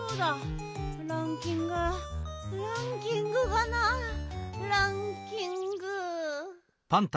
ランキングがなランキング。